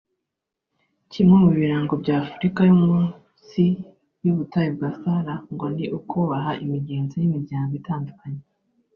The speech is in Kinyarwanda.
Kimwe mu birango bya Afurika yo munsi y’ubutayu bwa Sahara ngo ni ukubaha imigenzo n’imihango itandukanye